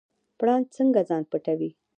پړانګ څنګه ځان پټوي؟